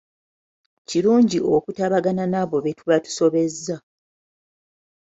Kirungi okutabagana n'abo be tuba tusobezza.